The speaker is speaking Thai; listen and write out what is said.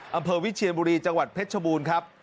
อำเภอวิเชียนบุรีจังหวัดเพชรชบูรณ์ครับ